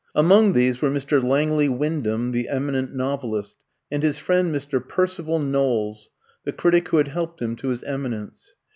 Among these were Mr. Langley Wyndham, the eminent novelist, and his friend Mr. Percival Knowles, the critic who had helped him to his eminence.